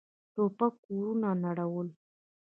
توپک کورونه نړولي.